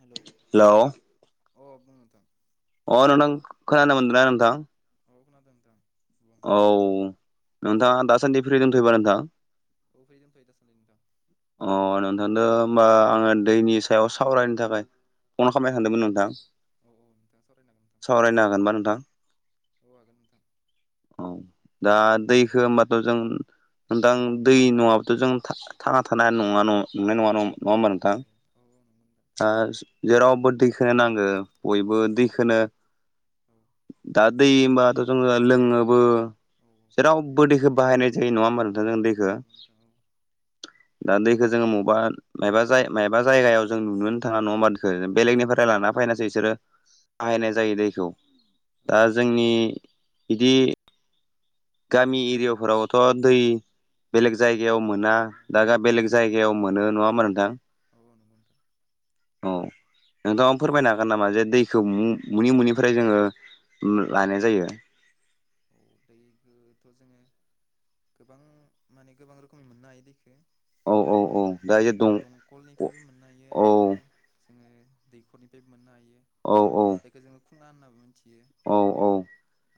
हेल' hello अ बुं नोंथां। अ नोंथां खोनानो मोनदों ना नोंथां? अ खोनादों नोंथां। औ नोंथाङा दासान्दि फ्रि दंथ'योबा नोंथां? औ फ्रि दंथ'यो दासानदै नोंथां। अ नोंथां दा होमबा आङो दैनि सायाव सावरायनो थाखाय फन खालामनो सानदोंमोन नोंथां औ औ नोंथां सरायनो हागोन सावरायनो हागोनबा नोंथां औ हागोन नोंथां औ दा दैखो होमबाथ' जों नोंथां दै नङाबाथ' जों थांना थानाय नङा न नंनाय ओहो नङा न हाया नङा होमबा नोंथां औ दा जेरावबो दैखो नांगो बयबो दैखोनो दा दै होमबाथ' जोङो लोङोबो जेरावबो दैखौ बाहायनाय जै नङा होनबा नोंथां जों औ औ दैखो नंगौ नोंथां औ दा दैखौ जोङो बबेबा मायबा मायबा जायगायाव जों नुनोनो थाङा नङा होमबा ओ औ औ नंगौ नोंथां औ नंगौ बेलेगनिफ्राय नोंथां लाना औ फैनासै बिसोरो औ बाहायनाय जायो दैखौ दा नंगौ नोंथां औ जोंनि बिदि गामि एरियाफोरावथ' दै बेलेग जायगायाव मोना औ दागा बेलेग मोना मोना जायगायाव मोनो नङा होनबा औ नोंथां औ नंगौ नोंथां औ नोंथाङा फोरमायनो हागोन नामा जे दैखौ मनि मुनिफ्राय जोङो उम औ लानाय जायो औ दै खौथ' जोङो गोबां माने गोबां रोखोमनि मोननो हायो दैखो औ औ जोङो औ दा दं दंखलनिफ्रायबो मोननो हायो औ आरो जोङो दैखरनिफ्राय मोननो हायो औ औ जायखौ जोङो खुङा होननाबो मिथियो औ औ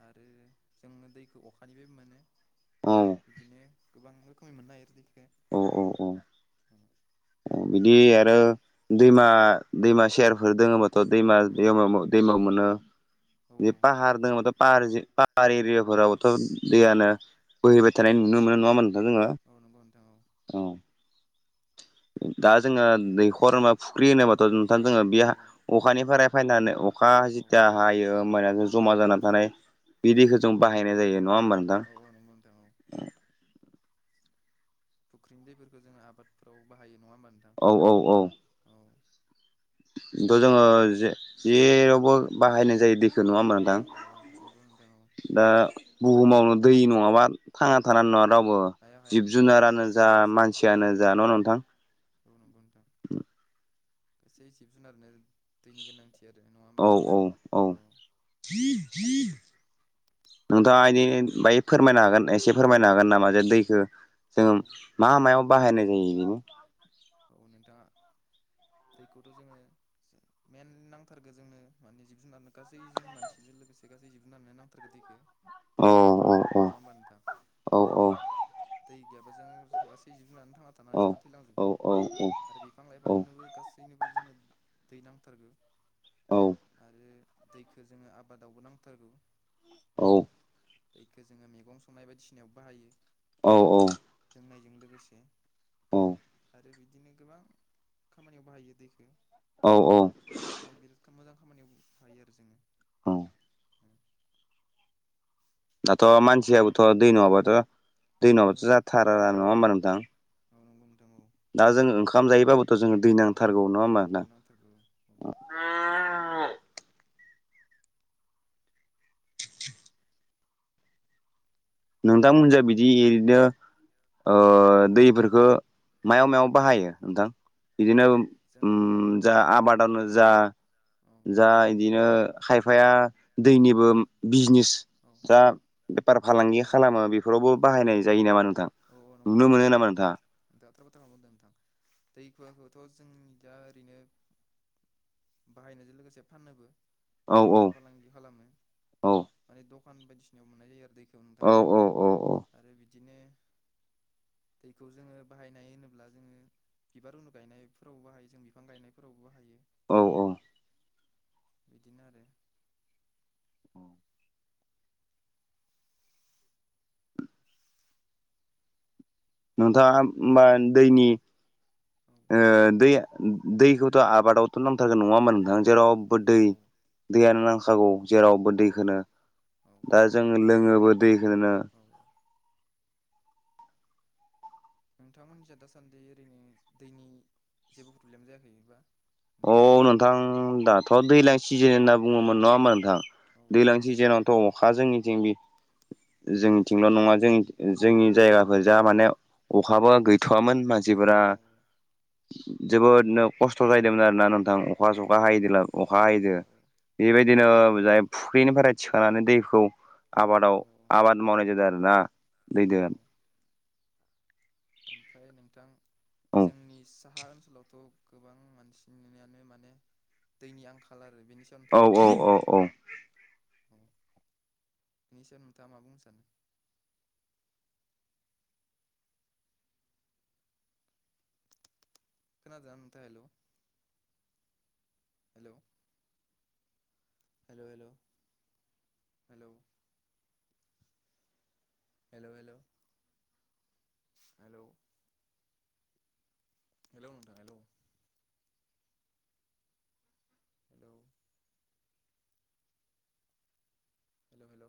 आरो जोङो दैखौ अखानिफ्रायबो मोनो बिदिनो गोबां रोखोमै मोननो हायो दैखो औ औ औ बिदि आरो दैमा दैमा सेरफोर दोङोबाथ' दैमा औ दै दैमाव मोनो औ बे पाहार नंगौ दङ नोंथां बाथ' फाहार बार एरियाफोरावथ' औ दैयानो बोहैबाय औ थानाय नुनो मोनो नङा होमबा जोङो औ नोंगौ नोंथां औ औ दा जोङो दैया औ दैखर होना फुख्रि होनोबाथ' नथां जोङो बे औ अखानिफ्राय फायनानै अखा औ जिथिया हायो होमबाना जों जमा जानानै थानाय बि दैखौ जों औ बाहायनाय जायो नङा होमबा नोंथां? औ औ नंगौ नोंथां औ फुख्रि दैफोरखौ जोङो आबादफोराव बाहायो नङा होमबा नो औ औ औ औ थ' जोङोे जेरावबो बाहायनाय जायो दैखौ नङामोन औ औ नंगौ नोंथां औ दा बुहुमावनो दै नङाबा थांना थानानै नङा रावबो हाया हाया जिब नोंथां औ जुनारानो जा गासै जिब मानसियानो जुनारानो जा न' औ नोंथां। औ नंगौ नोंथां एसे जिब जुनारनो दैनि गोनांथि इदि आरो नङा होमबा नोंथां औ [unintelligible] नोंथाङा इदिनो बाय फोरमायनो हागोन? एसे फोरमायनो हागोन नामा जे दैखौ जोङो औ मा मायाव बाहायनाय जायो बेनि औ नोंथां दैखौथ' जोङो मेेन नांथारगो जोंनो माने जिब जुनारनो गासै जों मानसिजों लोगोसे गासै जिब जुनारनो नांथारगो दैखौ औ औ औ नङा होमबा नोंथां? औ [unintelligible] दै गैयाब्ला जो गासै जिब जुननानै थांना औ थानाय नङा औ थैलांजोबगोन। [unintelligible] आरो बिफां औ लाइफांनोबो गासैनोबो जोंनो दै नांथारगो औ आरो दैखो जोङो आबादावबो नांथारगौ। औ दैखौ जोङो मैगं संनाय बायदिसिनायाव बाहायो। औऔ लोंनायजों लोगोसे आरो बिदिनो गोबां खामानियाव बाहायो दैखो। औ औ माने बिराद मोजां खामानियाव हायो आरो जोङो औ [unintelligible] दाथ' मानसियाबोथ' दै नङाबाथ' दैनावथ' जाथारा औ नङा होमबा नोंथां। औ नंगौ नोंथां औ दा जों ओंखाम जायोबाबोथ' जों दै औ नांथारगौ नङा औ होमबा ना? औ औ नोंथांमोनजों बिदि ओरैनो औ दै फोरखो मायाव मायाव बाहायो नोंथां बिदिनो जोंनि औ जा आबादानो जा औ जा बिदिनो खायफाया दैनिबो बिजनेस, औ जा बेफार फालांगि खालामो औ बेफोरावबो बाहायनाय जायो नामा नोंथां? औ औ नंगौ नुनो नोंथां मोनो नामा नोंथाङा? [unintelligible] [unintelligible] नोंथां दै खुवाखौथ' जोंनि दा ओरैनो बाहायनायजों लोगोसे फाननोबो औ औ बेफार फालांगि खालामो। औ माने दखान बायदिसिनायाव मोननाय जायो आरो दैखौ नोंथां, औ औ औ आरो बिदिनो दैखौ जोङो बाहायनाय होनोब्ला जोङो बिबार [unintelligible] गायनायफोरावबो बाहायो, जों बिफां गायनायफोरावबो हायो। औ औ बिदिनो आरो [inaudible] नोंथाङा होमबा दैनि, औ ओ दै दैखौथ' आबादावथ' नांथारगोन नङामोन नोंथां। औ जेरावबो दै औ औ औ दैयानो नंगौ नोंथां नांखागौ जेरावबो औ दैखोनो, दा औ जोङो लोङोबो दैखो, औ नोंथांमोनिसाय दासान्दि ओरैनो दैनि जेबो प्रब्लेम जायाखैबा औ नोंथां दाथ' दैज्लां सिजोन होनना बुङोमोन नङा औ होमबा नोंथां औ दैज्लां नंगौ नोंथां। सिजेनावथ' अखा जोंनिथिं बि औ जोंनिथिंल' नङा जों जोंनि जायगाफोर जा माने अखाबो औ गैथ'वामोन मानसिफोरा औ जोबोद नो खस्थ' जायो दोंमोन आरोना नोंथां अखा औ सखा हायदला अखा हयिदो बेबायदिनो जाय फुख्रिनिफ्राय थिखांनानै दैखौ आबादाव औ आबाद मावनाय जादों आरोना। औ दैदो औ ओमफ्राय नोंथां जोंनि साहा ओनसोलावथ' गोबां मानसिनिनो माने दैनि आंखाल आरो बेनि सायाव औ औ नोंथाङा मा औ बुंनो औ सानो? औ बेनि सायाव नोंथां मा बुंनो सानो? औ खोनादोना नोंथांङा? Hello! Hello hello hello hello hello hello hello hello नोंथां हेलौ हेलौ हेल' हेल'